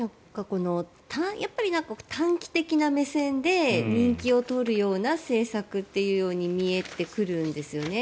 短期的な目線で人気を取るような政策というように見えてくるんですよね。